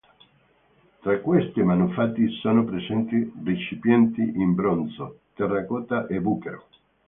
Tra questi manufatti sono presenti recipienti in bronzo, terracotta e bucchero.